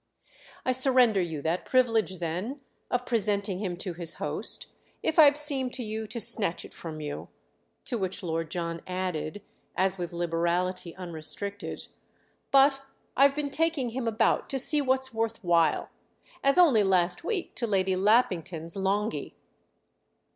"I surrender you that privilege then—of presenting him to his host—if I've seemed to you to snatch it from you." To which Lord John added, as with liberality unrestricted, "But I've been taking him about to see what's worth while—as only last week to Lady Lappington's Longhi."